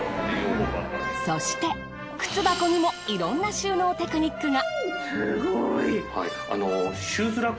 そして靴箱にもいろんな収納テクニックが。